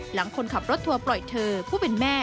หลังคนขับรถทัวร์ปล่อยเธอผู้เป็นแม่